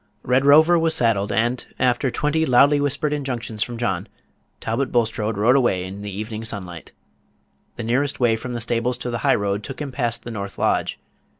Red Rover was saddled, and, after twenty loudly whispered injunctions from John, Talbot Bulstrode rode away in the evening sunlight. The nearest way from the stables to the high road took him past the north lodge.